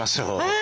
え